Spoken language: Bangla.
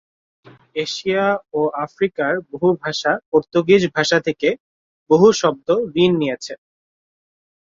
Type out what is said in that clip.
এশিয়া ও আফ্রিকার বহু ভাষা পর্তুগিজ ভাষা থেকে বহু শব্দ ঋণ নিয়েছে।